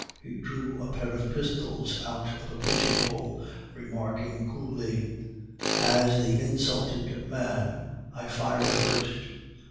He drew a pair of pistols out of a pigeon hole, remarking coolly: "'As the insulted man, I fire first.